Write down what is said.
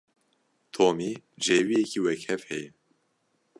Tomî cêwiyekî wekhev heye.